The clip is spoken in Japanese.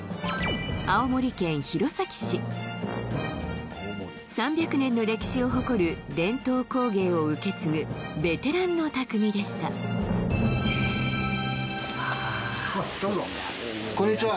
青森県弘前市３００年の歴史を誇る伝統工芸を受け継ぐベテランのたくみでしたどうぞこんにちは